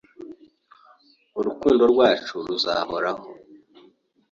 Urukundo rwacu ruzahoraho.